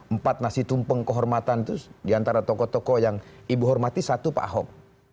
empat nasi tumpeng kehormatan itu diantara tokoh tokoh yang ibu hormati satu pak ahok